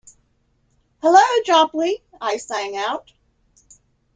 “Hullo, Jopley,” I sang out.